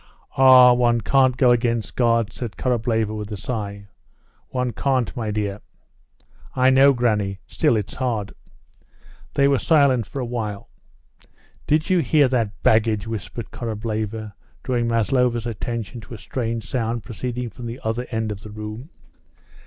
"Ah, one can't go against God," said Korableva, with a sigh. "One can't, my dear." "I know, granny. Still, it's hard." They were silent for a while. "Do you hear that baggage?" whispered Korableva, drawing Maslova's attention to a strange sound proceeding from the other end of the room.